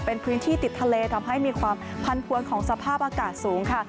เป็นพื้นที่ติดทะเลทำให้มีความพันพวนของสภาพอากาศสูงค่ะ